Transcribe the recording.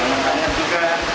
menu ini sangat cocok